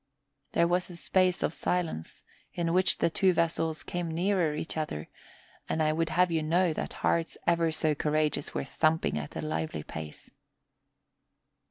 There was a space of silence, in which the two vessels came nearer each other, and I would have you know that hearts ever so courageous were thumping at a lively pace.